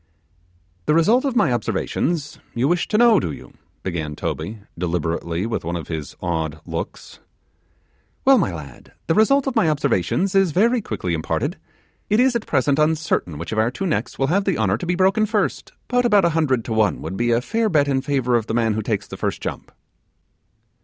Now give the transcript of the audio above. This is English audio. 'The result of my observations you wish to know, do you?' began Toby, deliberately, with one of his odd looks: 'well, my lad, the result of my observations is very quickly imparted. It is at present uncertain which of our two necks will have the honour to be broken first; but about a hundred to one would be a fair bet in favour of the man who takes the first jump.